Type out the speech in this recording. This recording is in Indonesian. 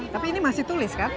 tapi ini masih tulis kan